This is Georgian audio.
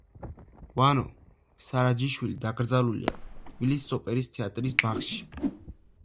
ვანო სარაჯიშვილი დაკრძალულია თბილისის ოპერის თეატრის ბაღში.